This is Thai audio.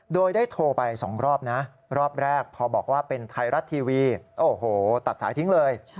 โดยได้โทรไป๒รอบนะรอบแรกพอบอกว่าเป็นไทยรัฐทีวีโอ้โหตัดสายทิ้งเลย